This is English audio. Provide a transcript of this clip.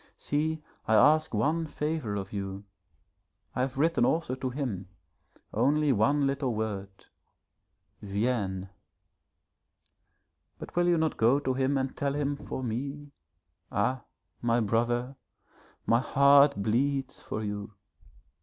See, I ask one favour of you I have written also to him, only one little word "Viens," but will you not go to him and tell him for me? Ah, my brother, my heart bleeds for you.